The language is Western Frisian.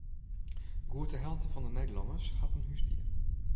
Goed de helte fan de Nederlanners hat in húsdier.